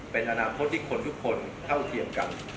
เป็นอนาคตที่คนทุกคนเท่าเทียมกัน